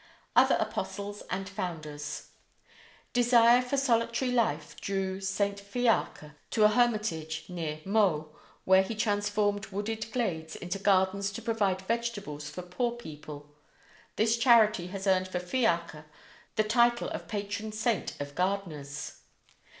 OTHER APOSTLES AND FOUNDERS: Desire for solitary life drew St. Fiacre to a hermitage near Meaux, where he transformed wooded glades into gardens to provide vegetables for poor people. This charity has earned for Fiacre the title of patron saint of gardeners.